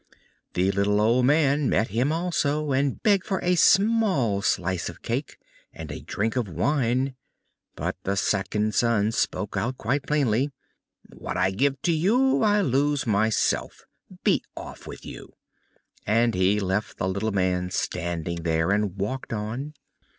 The little old man met him also, and begged for a small slice of cake and a drink of wine. But the second son spoke out quite plainly. "What I give to you I lose myself be off with you," and he left the little man standing there, and walked on.